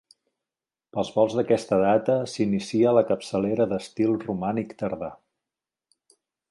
Pels volts d'aquesta data s'inicia la capçalera d'estil romànic tardà.